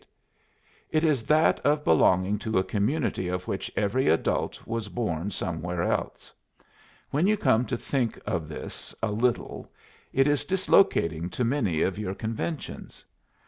It is that of belonging to a community of which every adult was born somewhere else. When you come to think of this a little it is dislocating to many of your conventions.